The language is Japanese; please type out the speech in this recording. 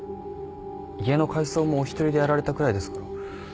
家の改装もお一人でやられたくらいですから。